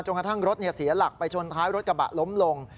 กระทั่งรถเสียหลักไปชนท้ายรถกระบะล้มลง